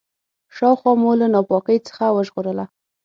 شاوخوا مو له ناپاکۍ څخه وژغورله.